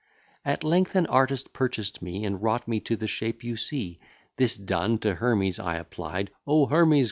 At length an artist purchased me, And wrought me to the shape you see. This done, to Hermes I applied: "O Hermes!